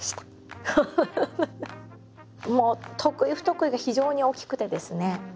もう得意不得意が非常に大きくてですね